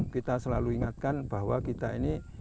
kita selalu ingatkan bahwa kita ini